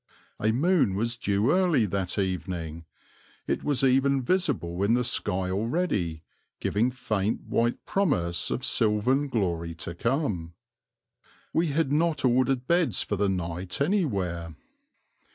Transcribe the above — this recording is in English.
A moon was due early that evening. It was even visible in the sky already, giving faint white promise of silvern glory to come. We had not ordered beds for the night anywhere.